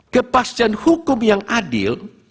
kepastian hukum yang adil